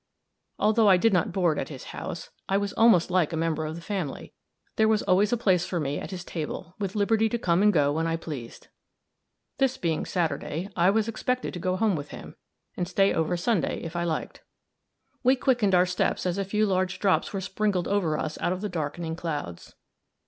Although I did not board at his house, I was almost like a member of the family. There was always a place for me at his table, with liberty to come and go when I pleased. This being Saturday, I was expected to go home with him, and stay over Sunday if I liked. We quickened our steps as a few large drops were sprinkled over us out of the darkening clouds.